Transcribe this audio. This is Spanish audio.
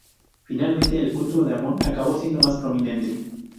Finalmente, el culto a Amón acabó siendo más prominente.